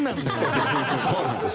そうなんですよ。